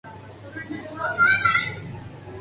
انگریز دور میں بے شمار خامیاں تھیں